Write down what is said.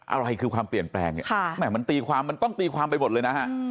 อะไรคือความเปลี่ยนแปลงเนี่ยมันตีความมันต้องตีความไปหมดเลยนะฮะ